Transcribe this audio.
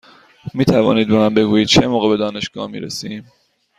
می توانید به من بگویید چه موقع به دانشگاه می رسیم؟